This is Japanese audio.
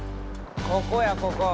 ここやここ。